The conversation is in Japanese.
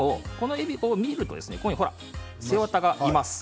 見ると背わたがいます。